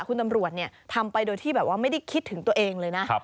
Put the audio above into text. คุณตำรวจทำไปโดยที่แบบว่าไม่ได้คิดถึงตัวเองเลยนะ